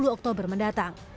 dua puluh oktober mendatang